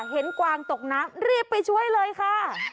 กวางตกน้ำรีบไปช่วยเลยค่ะ